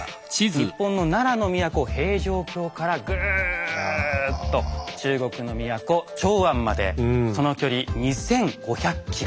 日本の奈良の都平城京からぐぅっと中国の都長安までその距離２，５００ｋｍ。